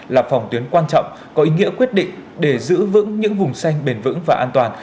là phòng tuyến quan trọng có ý nghĩa quyết định để giữ vững những vùng xanh bền vững và an toàn